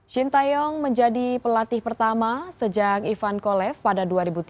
shin taeyong menjadi pelatih pertama sejak ivan kolev pada dua ribu tiga